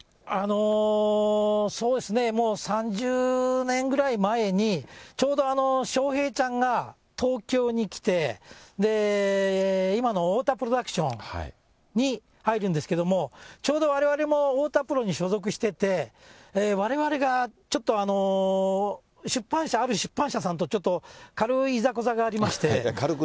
そうですね、もう３０年ぐらい前に、ちょうど笑瓶ちゃんが東京に来て、今の太田プロダクションに入るんですけども、ちょうどわれわれも太田プロに所属してて、われわれがちょっと、出版社、ある出版社さんと、ちょっと軽いいざこざがありまして。